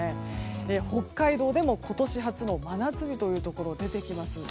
北海道でも今年初の真夏日というところ出てきます。